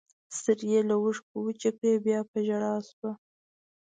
سترګې یې له اوښکو وچې کړې، بیا په ژړا شوه.